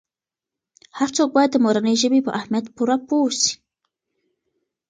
هر څوک باید د مورنۍ ژبې په اهمیت پوره پوه سي.